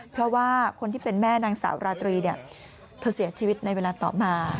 เพราะว่าคนที่เป็นแม่นางสาวราตรีเนี่ยเธอเสียชีวิตในเวลาต่อมา